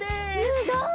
すごい！